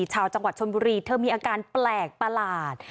ชาวจังหวัดชนบุรีเธอมีอาการแปลกประหลาด